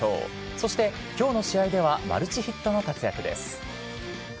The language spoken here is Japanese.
そしてきょうの試合ではマルチヒットの活躍です。